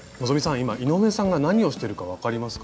今井上さんが何をしてるか分かりますか？